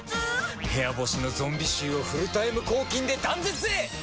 部屋干しのゾンビ臭をフルタイム抗菌で断絶へ！